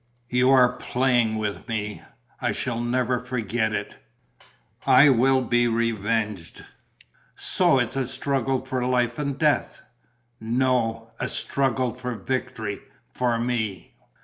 "You are playing with me. I shall never forget it; I will be revenged." "So it's a struggle for life and death?" "No, a struggle for victory, for me."